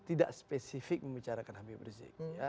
tidak spesifik membicarakan habib rizik